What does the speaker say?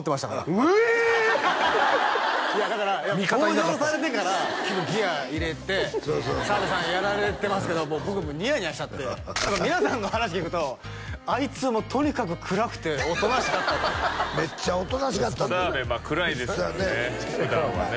味方いなかったいやだから登場されてから結構ギア入れて澤部さんやられてますけど僕もうニヤニヤしちゃって皆さんの話聞くとあいつとにかく暗くておとなしかったとめっちゃおとなしかった澤部暗いですからね普段はね